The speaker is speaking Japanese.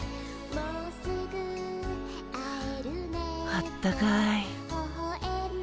あったかい。